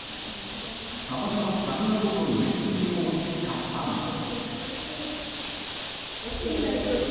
たまたまサン・アローのぬいぐるみを持ってきたファンは。